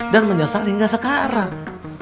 dan menyesal hingga sekarang